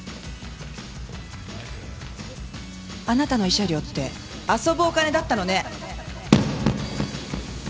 あなたの慰謝料って遊ぶお金だったのね。